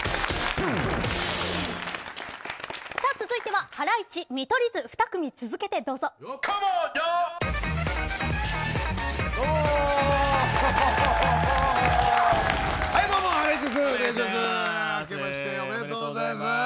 続いてはハライチ、見取り図２組続けてどうぞ。